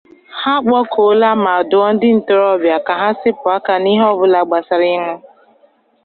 A kpọkuola ma dụọ ndị ntorobịa ka ha sepụ aka n'ihe ọbụla gbasaara ịñụ